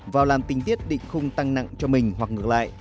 vào làn tình tiết định khung tăng nặng cho mình hoặc ngược lại